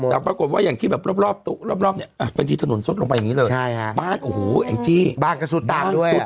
และรอบที่ถนนซดลงไปอย่างนี้เลย